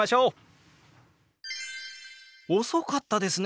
遅かったですね。